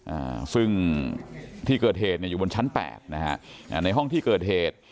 อ่าซึ่งที่เกิดเหตุเนี่ยอยู่บนชั้นแปดนะฮะอ่าในห้องที่เกิดเหตุ